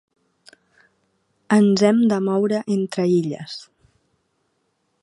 Ens hem de moure entre illes.